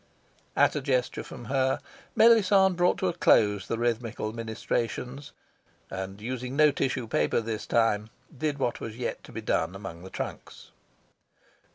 At a gesture from her, Melisande brought to a close the rhythmical ministrations, and using no tissue paper this time did what was yet to be done among the trunks.